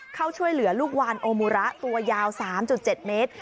เข้าช่วยเหลือลูกวานโอมูระตัวยาว๓๗เมตร